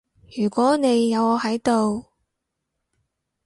如果你有我喺度